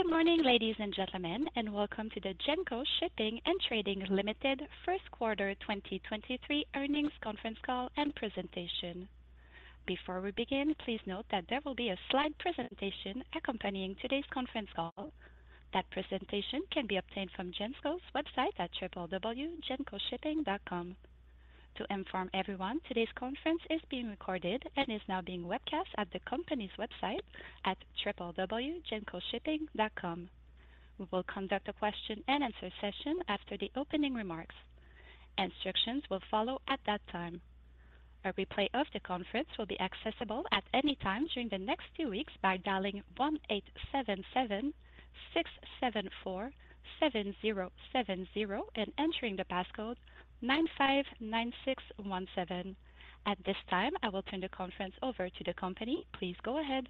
Good morning, ladies and gentlemen, and welcome to the Genco Shipping & Trading Limited First Quarter 2023 Earnings Conference Call and Presentation. Before we begin, please note that there will be a slide presentation accompanying today's conference call. That presentation can be obtained from Genco's website at www.gencoshipping.com. To inform everyone, today's conference is being recorded and is now being webcast at the company's website at www.gencoshipping.com. We will conduct a question-and-answer session after the opening remarks. Instructions will follow at that time. A replay of the conference will be accessible at any time during the next two weeks by dialing 1-877-674-7070 and entering the passcode 959617. At this time, I will turn the conference over to the company. Please go ahead.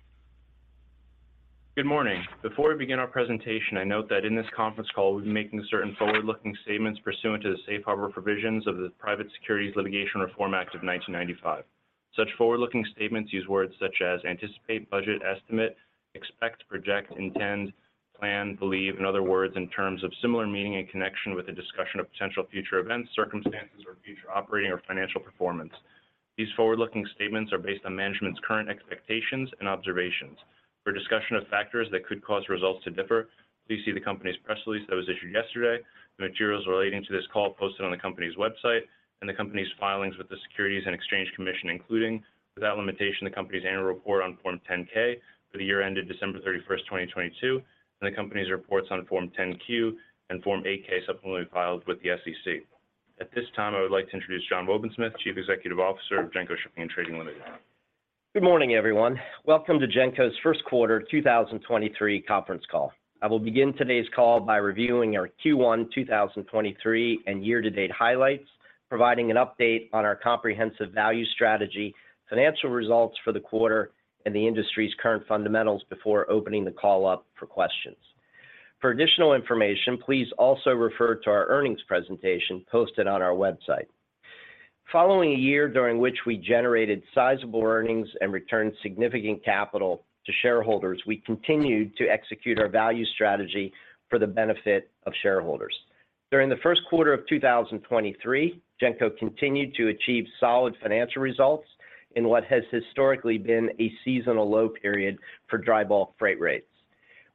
Good morning. Before we begin our presentation, I note that in this conference call, we'll be making certain forward-looking statements pursuant to the Safe Harbor Provisions of the Private Securities Litigation Reform Act of 1995. Such forward-looking statements use words such as anticipate, budget, estimate, expect, project, intend, plan, believe, and other words in terms of similar meaning and connection with a discussion of potential future events, circumstances, or future operating or financial performance. These forward-looking statements are based on management's current expectations and observations. For a discussion of factors that could cause results to differ, please see the company's press release that was issued yesterday, the materials relating to this call posted on the company's website, and the company's filings with the Securities and Exchange Commission, including, without limitation, the company's annual report on Form 10-K for the year ended December 31, 2022, and the company's reports on Form 10-Q and Form 8-K subsequently filed with the SEC. At this time, I would like to introduce John C. Wobensmith, Chief Executive Officer of Genco Shipping & Trading Limited. Good morning, everyone. Welcome to Genco's first quarter 2023 conference call. I will begin today's call by reviewing our Q1 2023 and year-to-date highlights, providing an update on our comprehensive value strategy, financial results for the quarter, and the industry's current fundamentals before opening the call up for questions. For additional information, please also refer to our earnings presentation posted on our website. Following a year during which we generated sizable earnings and returned significant capital to shareholders, we continued to execute our value strategy for the benefit of shareholders. During the first quarter of 2023, Genco continued to achieve solid financial results in what has historically been a seasonal low period for dry bulk freight rates.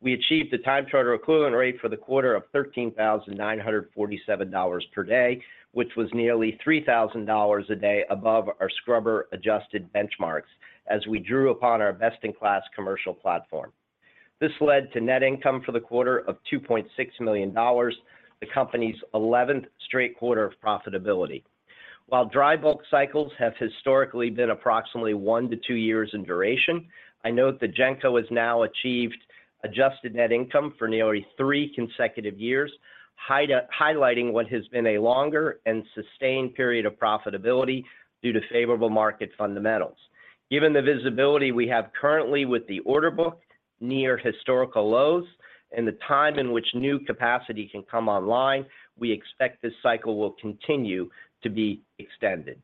We achieved a time charter equivalent rate for the quarter of $13,947 per day, which was nearly $3,000 a day above our scrubber-adjusted benchmarks as we drew upon our best-in-class commercial platform. This led to net income for the quarter of $2.6 million, the company's 11th straight quarter of profitability. While dry bulk cycles have historically been approximately 1-2 years in duration, I note that Genco has now achieved adjusted net income for nearly 3 consecutive years, high-highlighting what has been a longer and sustained period of profitability due to favorable market fundamentals. Given the visibility we have currently with the order book near historical lows and the time in which new capacity can come online, we expect this cycle will continue to be extended.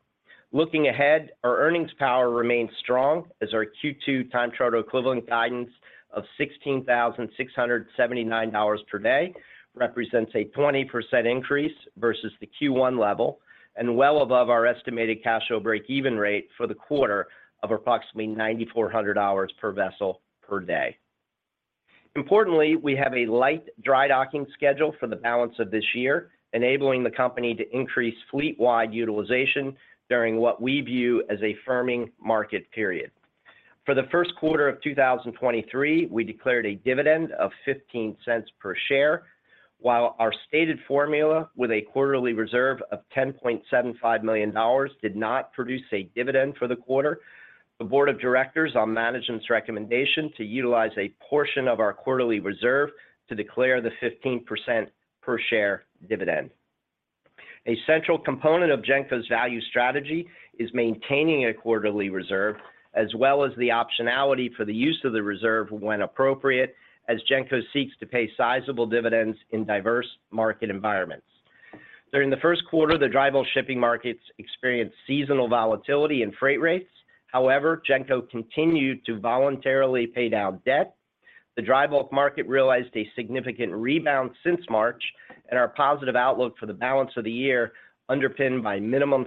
Looking ahead, our earnings power remains strong as our Q2 time charter equivalent guidance of $16,679 per day represents a 20% increase versus the Q1 level and well above our estimated cash flow break-even rate for the quarter of approximately $9,400 per vessel per day. Importantly, we have a light dry-docking schedule for the balance of this year, enabling the company to increase fleet-wide utilization during what we view as a firming market period. For the first quarter of 2023, we declared a dividend of $0.15 per share. While our stated formula with a quarterly reserve of $10.75 million did not produce a dividend for the quarter, the board of directors on management's recommendation to utilize a portion of our quarterly reserve to declare the 15% per share dividend. A central component of Genco's value strategy is maintaining a quarterly reserve as well as the optionality for the use of the reserve when appropriate as Genco seeks to pay sizable dividends in diverse market environments. During the first quarter, the dry bulk shipping markets experienced seasonal volatility in freight rates. However, Genco continued to voluntarily pay down debt. The dry bulk market realized a significant rebound since March and our positive outlook for the balance of the year underpinned by minimal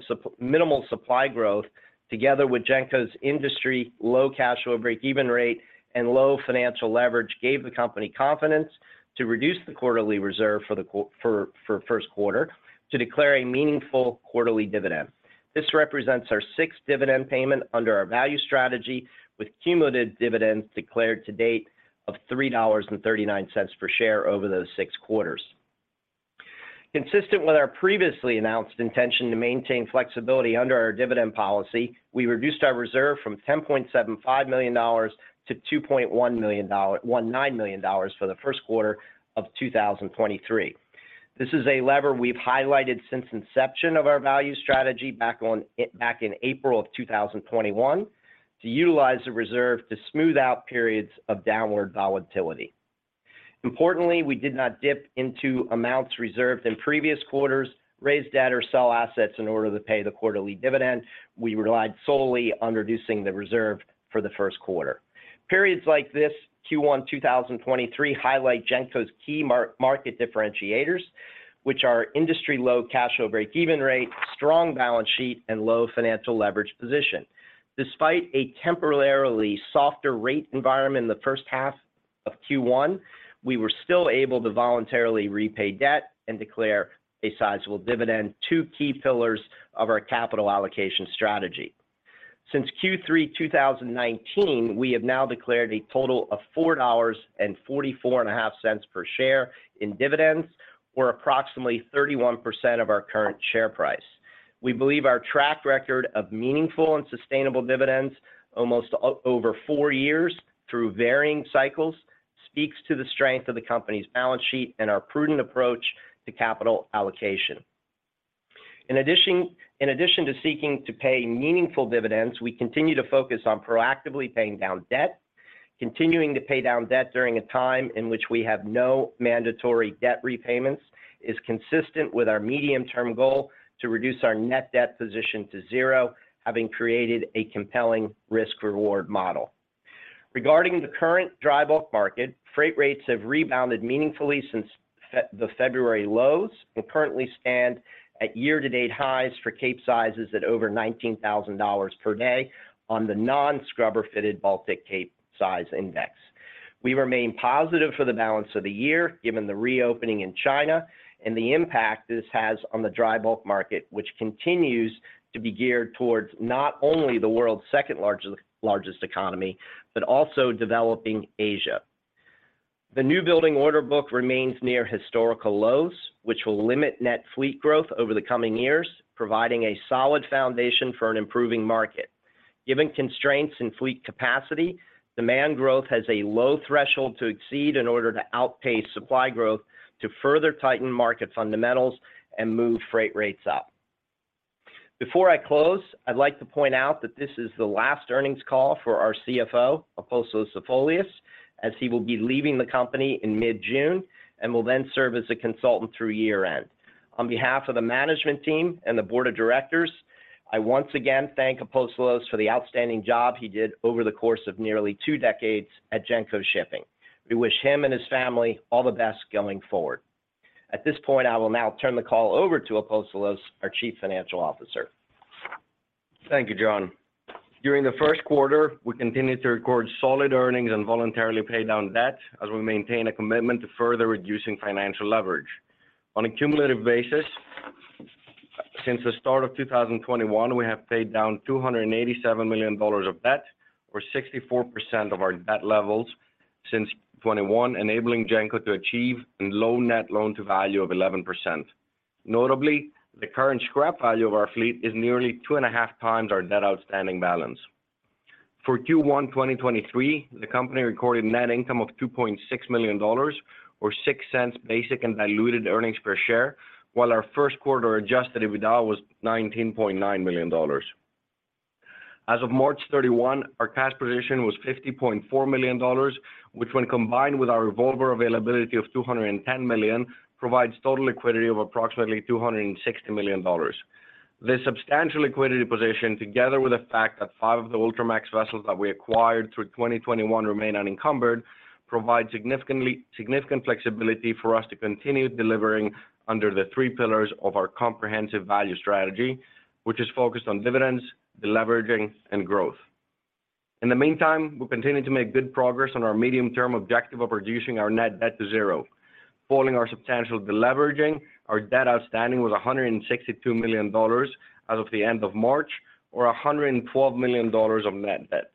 supply growth together with Genco's industry low cash flow break-even rate and low financial leverage gave the company confidence to reduce the quarterly reserve for the first quarter to declare a meaningful quarterly dividend. This represents our sixth dividend payment under our value strategy with cumulative dividends declared to date of $3.39 per share over those six quarters. Consistent with our previously announced intention to maintain flexibility under our dividend policy, we reduced our reserve from $10.75 million to $2.19 million for the first quarter of 2023. This is a lever we've highlighted since inception of our value strategy back in April of 2021 to utilize the reserve to smooth out periods of downward volatility. Importantly, we did not dip into amounts reserved in previous quarters, raise debt or sell assets in order to pay the quarterly dividend. We relied solely on reducing the reserve for the first quarter. Periods like this Q1 2023 highlight Genco's key market differentiators, which are industry low cash flow break-even rate, strong balance sheet, and low financial leverage position. Despite a temporarily softer rate environment in the first half of Q1, we were still able to voluntarily repay debt and declare a sizable dividend, two key pillars of our capital allocation strategy. Since Q3 2019, we have now declared a total of four dollars and forty-four and a half cents per share in dividends, or approximately 31% of our current share price. We believe our track record of meaningful and sustainable dividends almost over four years through varying cycles speaks to the strength of the company's balance sheet and our prudent approach to capital allocation. In addition to seeking to pay meaningful dividends, we continue to focus on proactively paying down debt. Continuing to pay down debt during a time in which we have no mandatory debt repayments is consistent with our medium-term goal to reduce our net debt position to zero, having created a compelling risk-reward model. Regarding the current dry bulk market, freight rates have rebounded meaningfully since the February lows and currently stand at year-to-date highs for Capesizes at over $19,000 per day on the non-scrubber fitted Baltic Capesize Index. We remain positive for the balance of the year given the reopening in China and the impact this has on the dry bulk market, which continues to be geared towards not only the world's second-largest economy, but also developing Asia. The new building order book remains near historical lows, which will limit net fleet growth over the coming years, providing a solid foundation for an improving market. Given constraints in fleet capacity, demand growth has a low threshold to exceed in order to outpace supply growth to further tighten market fundamentals and move freight rates up. Before I close, I'd like to point out that this is the last earnings call for our CFO, Apostolos Zafolias, as he will be leaving the company in mid-June and will then serve as a consultant through year-end. On behalf of the management team and the board of directors, I once again thank Apostolos for the outstanding job he did over the course of nearly two decades at Genco Shipping. We wish him and his family all the best going forward. At this point, I will now turn the call over to Apostolos, our Chief Financial Officer. Thank you, John. During the first quarter, we continued to record solid earnings and voluntarily pay down debt as we maintain a commitment to further reducing financial leverage. On a cumulative basis, since the start of 2021, we have paid down $287 million of debt, or 64% of our debt levels since 2021, enabling Genco to achieve a low net loan-to-value of 11%. Notably, the current scrap value of our fleet is nearly 2.5 times our net outstanding balance. For Q1 2023, the company recorded net income of $2.6 million or $0.06 basic and diluted earnings per share, while our first quarter adjusted EBITDA was $19.9 million. As of March 31, our cash position was $50.4 million, which when combined with our revolver availability of $210 million, provides total liquidity of approximately $260 million. This substantial liquidity position, together with the fact that five of the Ultramax vessels that we acquired through 2021 remain unencumbered, provide significant flexibility for us to continue delivering under the three pillars of our comprehensive value strategy, which is focused on dividends, deleveraging, and growth. In the meantime, we're continuing to make good progress on our medium-term objective of reducing our net debt to zero. Following our substantial deleveraging, our debt outstanding was $162 million as of the end of March or $112 million of net debt.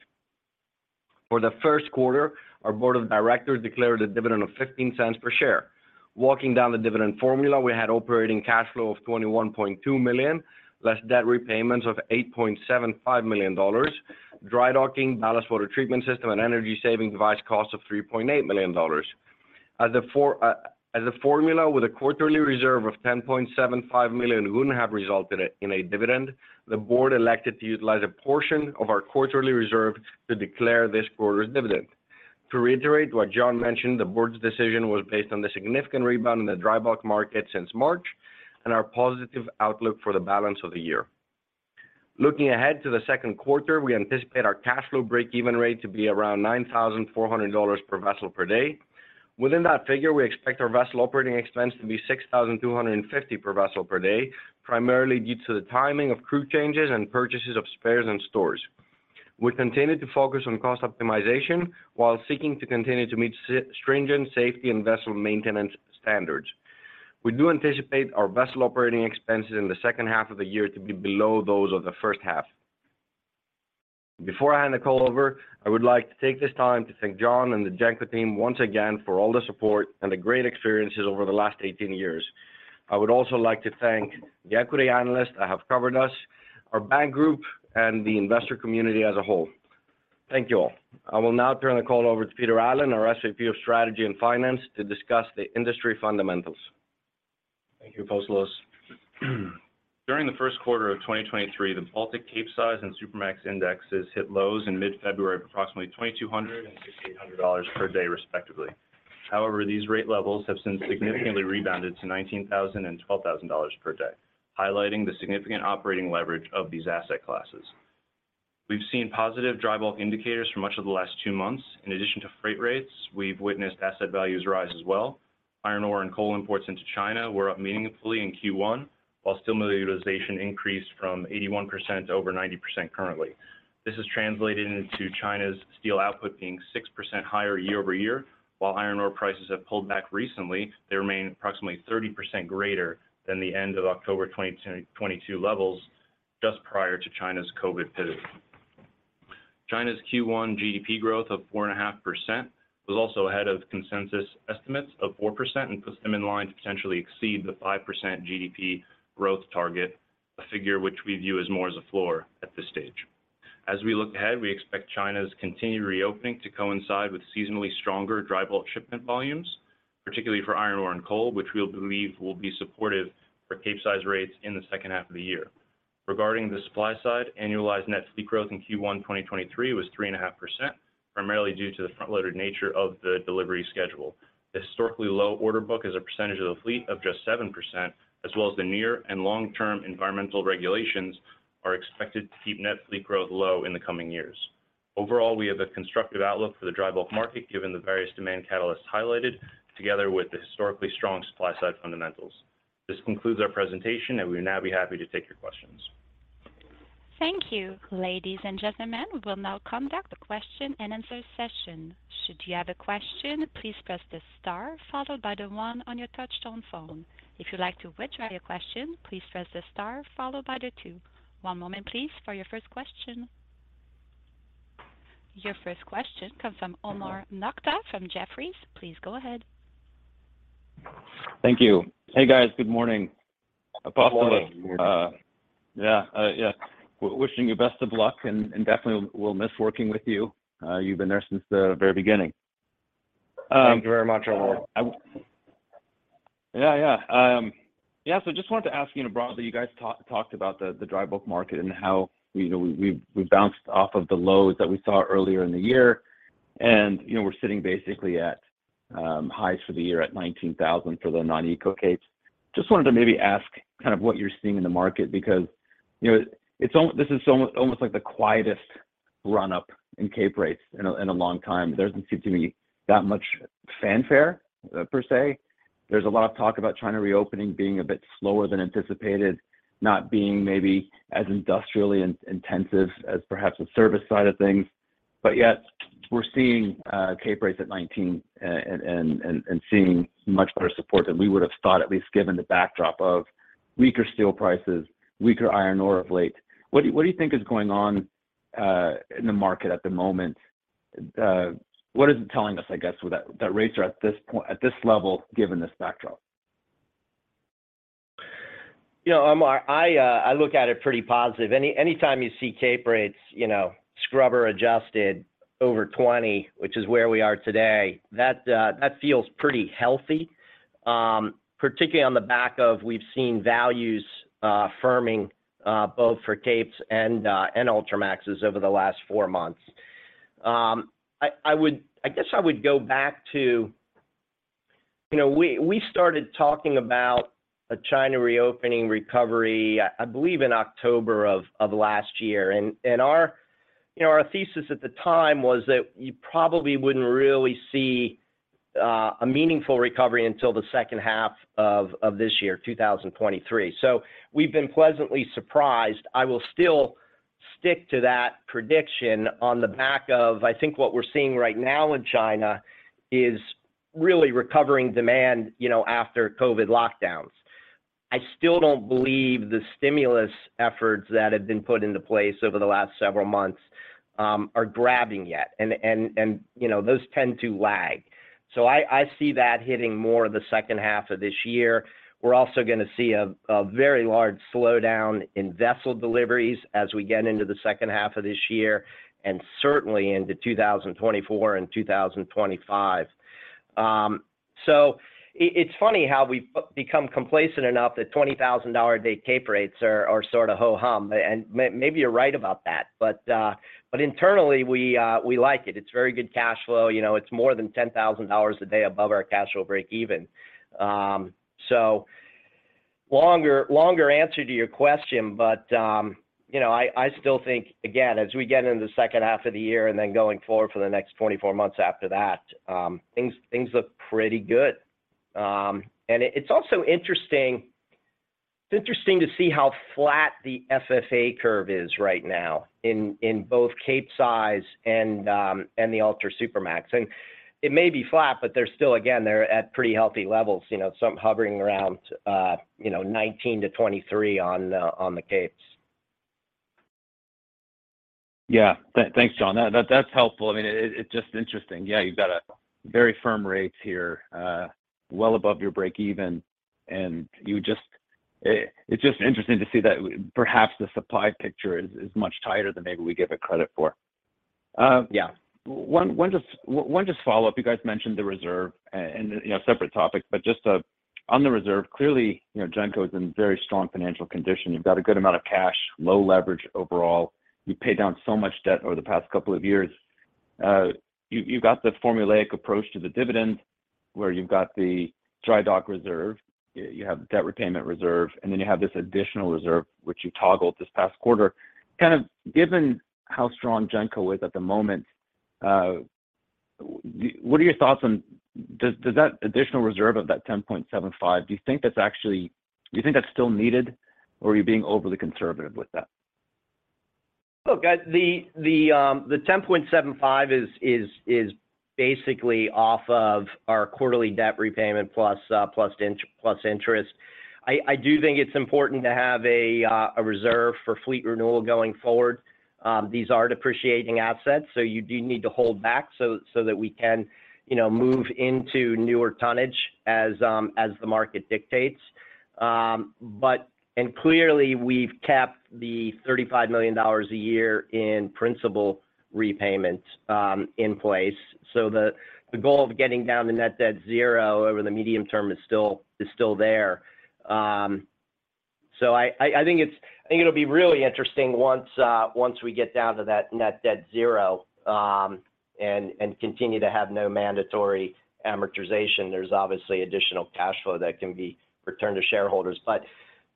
For the first quarter, our board of directors declared a dividend of $0.15 per share. Walking down the dividend formula, we had operating cash flow of $21.2 million less debt repayments of $8.75 million, dry docking, ballast water treatment system, and Energy Saving Device costs of $3.8 million. As a formula with a quarterly reserve of $10.75 million wouldn't have resulted in a dividend, the board elected to utilize a portion of our quarterly reserve to declare this quarter's dividend. To reiterate what John mentioned, the board's decision was based on the significant rebound in the dry bulk market since March and our positive outlook for the balance of the year. Looking ahead to the second quarter, we anticipate our cash flow break-even rate to be around $9,400 per vessel per day. Within that figure, we expect our vessel operating expense to be $6,250 per vessel per day, primarily due to the timing of crew changes and purchases of spares and stores. We're continuing to focus on cost optimization while seeking to continue to meet stringent safety and vessel maintenance standards. We do anticipate our vessel operating expenses in the second half of the year to be below those of the first half. Before I hand the call over, I would like to take this time to thank John and the Genco team once again for all the support and the great experiences over the last 18 years. I would also like to thank the equity analysts that have covered us, our bank group, and the investor community as a whole. Thank you all. I will now turn the call over to Peter Allen, our SVP of Strategy and Finance, to discuss the industry fundamentals. Thank you, Apostolos. During the first quarter of 2023, the Baltic Capesize and Supramax indexes hit lows in mid-February of approximately $2,200 and $800 per day respectively. However, these rate levels have since significantly rebounded to $19,000 and $12,000 per day, highlighting the significant operating leverage of these asset classes. We've seen positive dry bulk indicators for much of the last 2 months. In addition to freight rates, we've witnessed asset values rise as well. Iron ore and coal imports into China were up meaningfully in Q1, while steel utilization increased from 81% to over 90% currently. This has translated into China's steel output being 6% higher year-over-year. While iron ore prices have pulled back recently, they remain approximately 30% greater than the end of October 2022 levels just prior to China's COVID pivot. China's Q1 GDP growth of 4.5% was also ahead of consensus estimates of 4% and puts them in line to potentially exceed the 5% GDP growth target, a figure which we view as more as a floor at this stage. As we look ahead, we expect China's continued reopening to coincide with seasonally stronger dry bulk shipment volumes, particularly for iron ore and coal, which we believe will be supportive for Capesize rates in the second half of the year. Regarding the supply side, annualized net fleet growth in Q1 2023 was 3.5%, primarily due to the front-loaded nature of the delivery schedule. Historically low order book as a percentage of the fleet of just 7%, as well as the near and long-term environmental regulations are expected to keep net fleet growth low in the coming years. Overall, we have a constructive outlook for the dry bulk market, given the various demand catalysts highlighted together with the historically strong supply-side fundamentals. This concludes our presentation. We will now be happy to take your questions. Thank you. Ladies and gentlemen, we will now conduct the question-and-answer session. Should you have a question, please press the star followed by the one on your touchtone phone. If you'd like to withdraw your question, please press the star followed by the two. One moment please for your first question. Your first question comes from Omar Nokta from Jefferies. Please go ahead. Thank you. Hey, guys. Good morning. Good morning. Yeah, yeah. Wishing you best of luck and definitely we'll miss working with you. You've been there since the very beginning. Thank you very much, Omar. Yeah, yeah. Yeah. Just wanted to ask, you know, broadly, you guys talked about the dry bulk market and how, you know, we've bounced off of the lows that we saw earlier in the year. You know, we're sitting basically at highs for the year at $19,000 for the non-eco Capes. Just wanted to maybe ask kind of what you're seeing in the market because, you know, this is almost like the quietest run-up in Cape rates in a long time. There doesn't seem to be that much fanfare per se. There's a lot of talk about China reopening being a bit slower than anticipated, not being maybe as industrially intensive as perhaps the service side of things. Yet we're seeing, Cape rates at 19, and seeing much better support than we would have thought, at least given the backdrop of weaker steel prices, weaker iron ore of late. What do you think is going on, in the market at the moment? What is it telling us, I guess, with that rates are at this level, given this backdrop? You know, Omar, I look at it pretty positive. Anytime you see Cape rates, you know, scrubber adjusted over 20, which is where we are today, that feels pretty healthy. Particularly on the back of we've seen values firming both for Capes and Ultramaxes over the last four months. I guess I would go back to, you know, we started talking about a China reopening recovery, I believe, in October of last year. Our, you know, our thesis at the time was that you probably wouldn't really see a meaningful recovery until the second half of this year, 2023. We've been pleasantly surprised. I will still stick to that prediction on the back of I think what we're seeing right now in China is really recovering demand, you know, after COVID lockdowns. I still don't believe the stimulus efforts that have been put into place over the last several months are grabbing yet. You know, those tend to lag. I see that hitting more the second half of this year. We're also gonna see a very large slowdown in vessel deliveries as we get into the second half of this year, and certainly into 2024 and 2025. It's funny how we've become complacent enough that $20,000 a day Cape rates are sort of ho-hum. Maybe you're right about that. Internally, we like it. It's very good cash flow. You know, it's more than $10,000 a day above our cash flow break even. Longer answer to your question, you know, I still think, again, as we get into the second half of the year and then going forward for the next 24 months after that, things look pretty good. It's also interesting to see how flat the FFA curve is right now in both Capesize and the Ultra Supramax. It may be flat, they're still at pretty healthy levels, you know. Some hovering around, you know, $19-23 on the Capes. Yeah. Thanks, John. That's helpful. I mean, it's just interesting. Yeah. You've got a very firm rates here, well above your break even. It's just interesting to see that perhaps the supply picture is much tighter than maybe we give it credit for. Yeah. One just follow-up. You guys mentioned the reserve and, you know, separate topics, but just on the reserve, clearly, you know, Genco is in very strong financial condition. You've got a good amount of cash, low leverage overall. You've paid down so much debt over the past couple of years. You've, you've got the formulaic approach to the dividend, where you've got the dry dock reserve, you have debt repayment reserve, and then you have this additional reserve, which you toggled this past quarter. Kind of given how strong Genco is at the moment, what are your thoughts on does that additional reserve of that 10.75, do you think that's actually... do you think that's still needed or are you being overly conservative with that? Look, the $10.75 is basically off of our quarterly debt repayment plus interest. I do think it's important to have a reserve for fleet renewal going forward. These are depreciating assets, so you do need to hold back so that we can, you know, move into newer tonnage as the market dictates. Clearly we've capped the $35 million a year in principal repayments in place. The goal of getting down to net debt zero over the medium term is still there. I think it's, I think it'll be really interesting once we get down to that net debt zero and continue to have no mandatory amortization. There's obviously additional cash flow that can be returned to shareholders.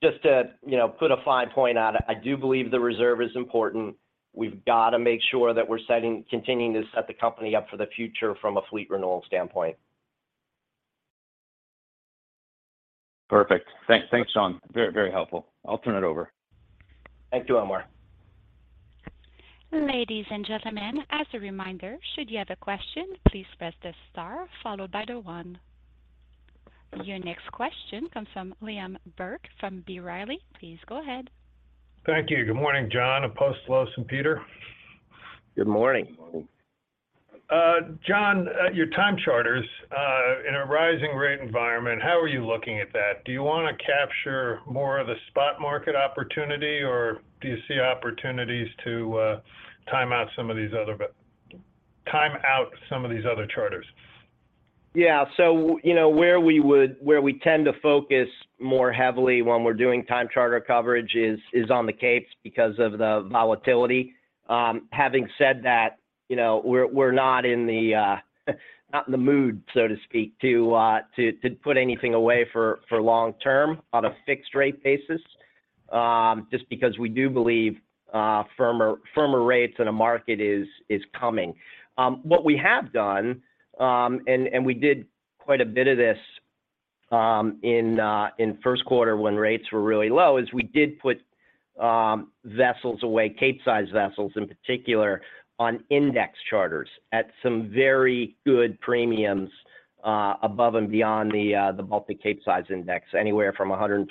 Just to, you know, put a fine point on it, I do believe the reserve is important. We've got to make sure that we're continuing to set the company up for the future from a fleet renewal standpoint. Perfect. Thanks, John. Very, very helpful. I'll turn it over. Thank you, Omar. Ladies and gentlemen, as a reminder, should you have a question, please press the star followed by the one. Your next question comes from Liam Burke from B. Riley. Please go ahead. Thank you. Good morning, John, Apostolos and Peter. Good morning. Morning. John, your time charters, in a rising rate environment, how are you looking at that? Do you wanna capture more of the spot market opportunity, or do you see opportunities to time out some of these other charters? Yeah. You know, where we tend to focus more heavily when we're doing time charter coverage is on the Capes because of the volatility. Having said that, you know, we're not in the mood, so to speak, to put anything away for long-term on a fixed rate basis, just because we do believe firmer rates in the market is coming. What we have done, and we did quite a bit of this in first quarter when rates were really low, is we did put vessels away, Capesize vessels in particular, on index-linked charters at some very good premiums, above and beyond the multi Capesize index, anywhere from 125%-127%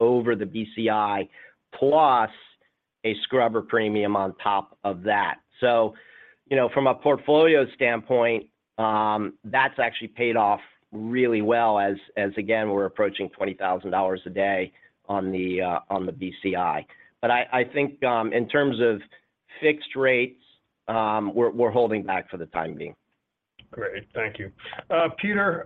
over the BCI, plus a scrubber premium on top of that. You know, from a portfolio standpoint, that's actually paid off really well as again, we're approaching $20,000 a day on the BCI. I think, in terms of fixed rates, we're holding back for the time being. Great. Thank you. Peter,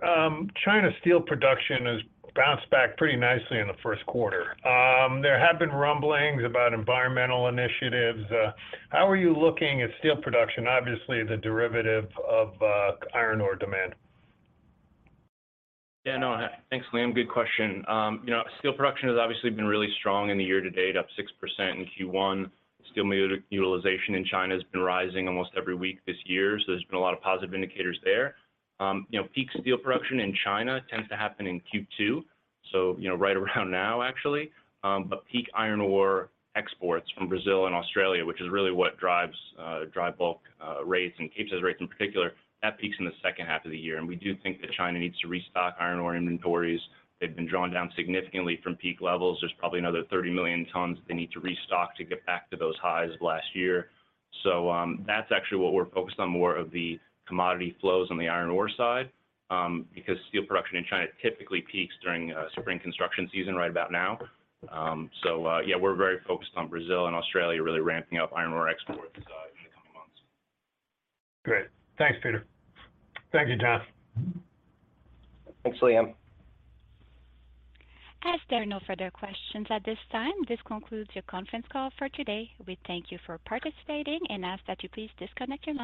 China's steel production has bounced back pretty nicely in the first quarter. There have been rumblings about environmental initiatives. How are you looking at steel production, obviously the derivative of iron ore demand? Yeah, no. Thanks, Liam. Good question. you know, steel production has obviously been really strong in the year-to-date, up 6% in Q1. Steel utilization in China has been rising almost every week this year. There's been a lot of positive indicators there. you know, peak steel production in China tends to happen in Q2, you know, right around now, actually. But peak iron ore exports from Brazil and Australia, which is really what drives dry bulk rates and Capesize rates in particular, that peaks in the second half of the year. We do think that China needs to restock iron ore inventories. They've been drawn down significantly from peak levels. There's probably another 30 million tons they need to restock to get back to those highs of last year. That's actually what we're focused on more of the commodity flows on the iron ore side, because steel production in China typically peaks during spring construction season right about now. Yeah, we're very focused on Brazil and Australia really ramping up iron ore exports in the coming months. Great. Thanks, Peter. Thank you, John. Thanks, Liam. As there are no further questions at this time, this concludes your conference call for today. We thank you for participating and ask that you please disconnect your lines.